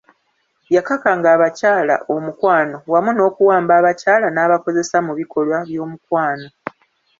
Yakakanga abakyala omukwano wamu n'okuwamba abakyala n'abakozesa mu bikolwa by'omukwano.